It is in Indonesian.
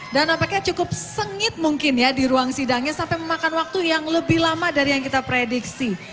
dan apakah cukup sengit mungkin ya di ruang sidangnya sampai memakan waktu yang lebih lama dari yang kita prediksi